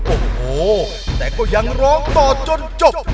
โอ้โหแต่ก็ยังร้องต่อจนจบ